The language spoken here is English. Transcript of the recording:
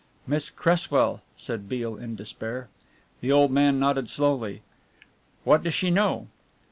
"Miss Cresswell!" said Beale, in despair. The old man nodded slowly. "What does she know?"